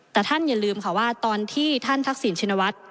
แต่ท่านอย่าลืมค่ะว่าตอนที่ท่านทักษิณชินวัฒน์